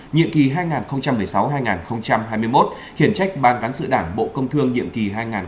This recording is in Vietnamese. nhiệm kỳ hai nghìn một mươi sáu hai nghìn hai mươi một khiển trách ban cán sự đảng bộ công thương nhiệm kỳ hai nghìn một mươi sáu hai nghìn hai mươi một